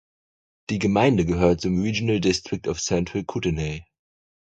Die Gemeinde gehört zum Regional District of Central Kootenay.